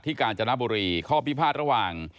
กาญจนบุรีข้อพิพาทระหว่าง